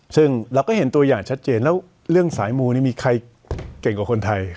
ซึ่งเราก็เห็นตัวอย่างชัดเจนแล้วเรื่องสายมูนี่มีใครเก่งกว่าคนไทย